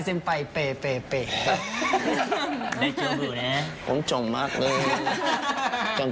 ขอบคุณครับ